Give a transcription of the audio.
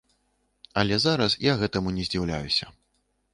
Але зараз я гэтаму не здзіўляюся.